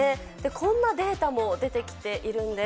こんなデータも出てきているんです。